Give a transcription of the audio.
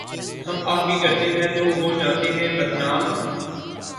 ہم آہ بھی کرتے ہیں تو ہو جاتے ہیں بدنام۔